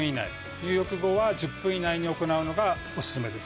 入浴後は１０分以内に行うのがお薦めです。